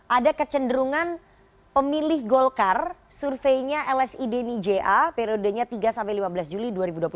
ada kecenderungan pemilih golkar surveinya lsi deni ja periodenya tiga sampai lima belas juli dua ribu dua puluh